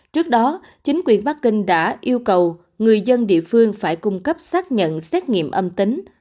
trước đó chính quyền bắc kinh đã yêu cầu người dân địa phương phải cung cấp xác nhận xét nghiệm âm tính